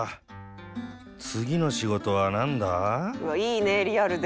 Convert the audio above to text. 「うわっいいねリアルで」